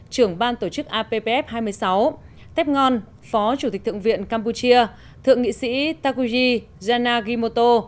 trưởng ban tổ chức appf hai mươi sáu tép ngôn phó chủ tịch thượng viện campuchia thượng nghị sĩ takuji janagimoto